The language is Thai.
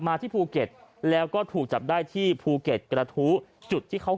ที่ภูเก็ตแล้วก็ถูกจับได้ที่ภูเก็ตกระทู้จุดที่เขา